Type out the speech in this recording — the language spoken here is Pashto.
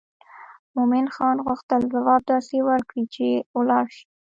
مومن خان غوښتل ځواب داسې ورکړي چې ولاړ شي.